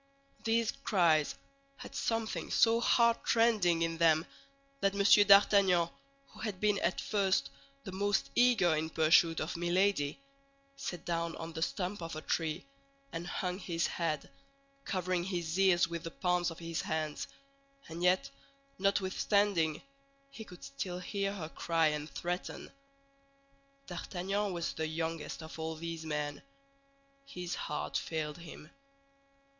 These cries had something so heartrending in them that M. d'Artagnan, who had been at first the most eager in pursuit of Milady, sat down on the stump of a tree and hung his head, covering his ears with the palms of his hands; and yet, notwithstanding, he could still hear her cry and threaten. D'Artagnan was the youngest of all these men. His heart failed him.